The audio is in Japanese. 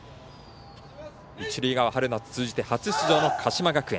一塁側、春夏通じて初出場の鹿島学園。